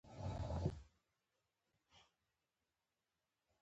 کندهار د ټولو افغانانو ژوند اغېزمن کوي.